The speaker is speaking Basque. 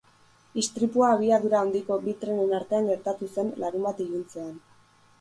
Istripua abiadura handiko bi trenen artean gertatu zen larunbat iluntzean.